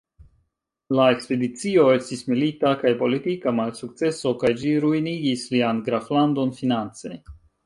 La ekspedicio estis milita kaj politika malsukceso, kaj ĝi ruinigis lian Graflandon finance.